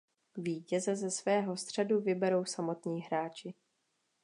Vítěze ze svého středu vyberou samotní hráči.